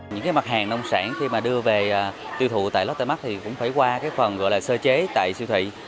những mặt hàng nông sản khi đưa về tiêu thụ tại lotte mart cũng phải qua phần gọi là sơ chế tại siêu thị